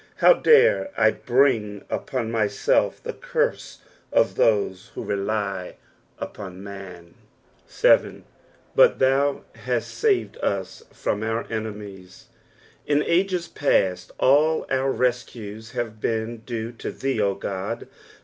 How dare I bring upon myself the curse of those who rely upon man t 7. ^ Biit thou hant tared ut from our evemie*," In aees past all our lescnes have been due to thee, O God.